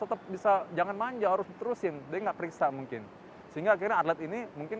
tetap bisa jangan manja harus diterusin dia enggak periksa mungkin sehingga akhirnya atlet ini mungkin